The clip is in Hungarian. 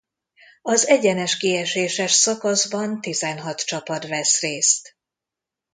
Az egyenes kieséses szakaszban tizenhat csapat vesz részt.